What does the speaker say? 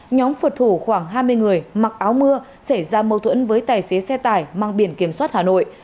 nhóm phật thủ khoảng hai mươi người mặc áo mưa xảy ra mâu thuẫn với tài xế xe tải mang biển kiểm soát hà nội